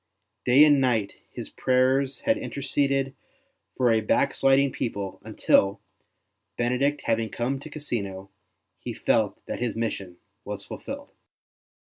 Day and night his prayers had interceded for a backsliding people until, Benedict having come to Cassino, he felt that his mission was fulfilled.